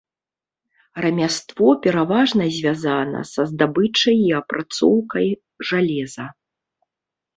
Рамяство пераважна звязана са здабычай і апрацоўкай жалеза.